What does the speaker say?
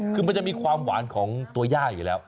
คือมันจะมีความหวานของตัวย่าอยู่แล้ว